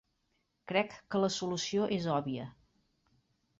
Crec que la solució és òbvia.